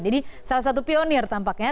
jadi salah satu pionir tampaknya